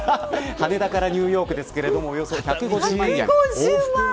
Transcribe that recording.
羽田からニューヨークですが１５０万円です。